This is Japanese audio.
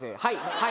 はい